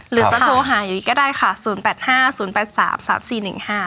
หรือจะโทรหาอยู่อีกก็ได้ค่ะศูนย์แปดห้าศูนย์แปดสามสามสี่หนึ่งห้า